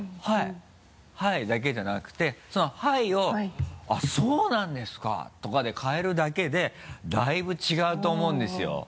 「はいはい」だけじゃなくてその「はい」を「あぁそうなんですか」とかで換えるだけでだいぶ違うと思うんですよ。